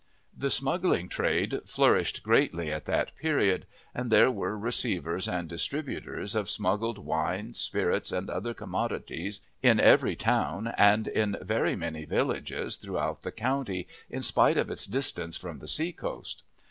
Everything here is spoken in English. The smuggling trade flourished greatly at that period, and there were receivers and distributors of smuggled wine, spirits, and other commodities in every town and in very many villages throughout the county in spite of its distance from the sea coast.